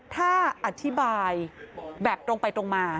ถ้าอธิบายแบบตรงไปตรงมา